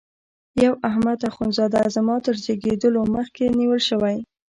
یو احمد اخوند زاده زما تر زیږېدلو مخکي نیول شوی.